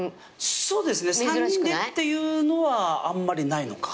そうですね３人でっていうのはあんまりないのか。